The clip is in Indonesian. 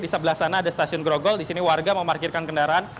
di sebelah sana ada stasiun grogol di sini warga memarkirkan kendaraan